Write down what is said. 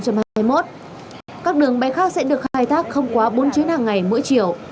các đường bay khác sẽ được khai thác không quá bốn chuyến hàng ngày mỗi chiều